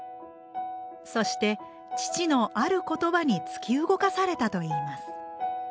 そして父のある言葉に突き動かされたといいます。